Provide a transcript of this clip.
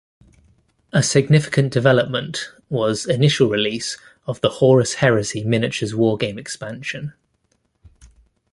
A significant development was initial release of the "Horus Heresy" miniatures wargame expansion.